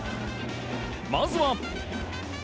まずは。